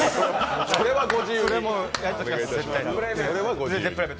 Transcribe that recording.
それはご自由に。